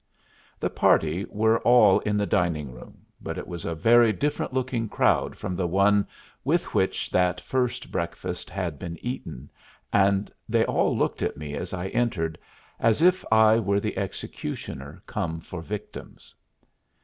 The party were all in the dining room, but it was a very different looking crowd from the one with which that first breakfast had been eaten, and they all looked at me as I entered as if I were the executioner come for victims.